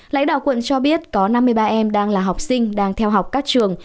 lãnh đạo quận cho biết có năm mươi ba em đang là học sinh đang theo học các trường